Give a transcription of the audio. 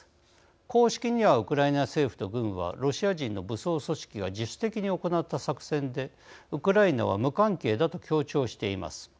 公式には、ウクライナ政府と軍はロシア人の武装組織が自主的に行った作戦でウクライナは無関係だと強調しています。